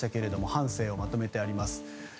半生をまとめてあります。